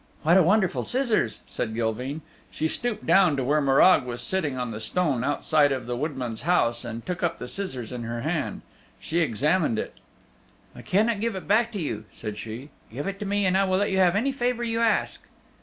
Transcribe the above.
"What a wonderful scissors," said Gilveen. She stooped down to where Morag was sitting on the stone outside of the woodman's house and took up the scissors in her hand. She examined it. "I cannot give it back to you," said she. "Give it to me, and I will let you have any favor you ask."